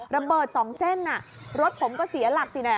ระเบิด๒เส้นรถผมก็เสียหลักสินะ